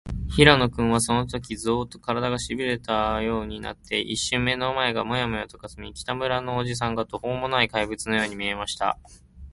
平野君は、そのとき、ゾーッと、からだが、しびれたようになって、いっしゅんかん目の前がモヤモヤとかすみ、北村のおじさんが、とほうもない怪物のように見えました。